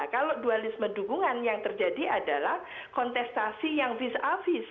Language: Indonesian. kalau dualisme dukungan yang terjadi adalah kontestasi yang vis a vis